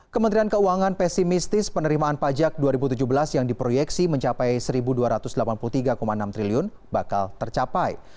kementerian keuangan pesimistis penerimaan pajak dua ribu tujuh belas yang diproyeksi mencapai rp satu dua ratus delapan puluh tiga enam triliun bakal tercapai